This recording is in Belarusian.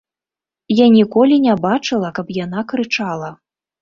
Я ніколі не бачыла, каб яна крычала.